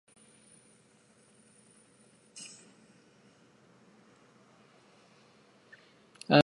This political decision reduced the conflicts inside the Royal family.